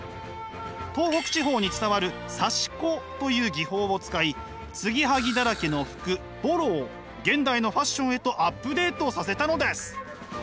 東北地方に伝わる刺し子という技法を使い継ぎはぎだらけの服襤褸を現代のファッションへとアップデートさせたのです！